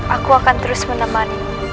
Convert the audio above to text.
aku akan terus menemani